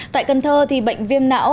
tại cần thơ thì bệnh viêm não